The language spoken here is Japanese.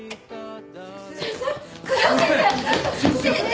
先生！